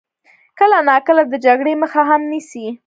کله ناکله د جګړې مخه هم نیسي.